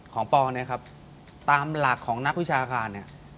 ปอเนี่ยครับตามหลักของนักวิชาการเนี่ย